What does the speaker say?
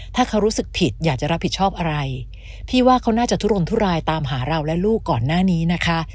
ถ้าเขารู้สึกผิดอยากจะรับผิดชอบอะไรพี่ว่าเขาน่าจะทุรนทุรายตามหาเราและลูกก่อนหน้านี้นะคะ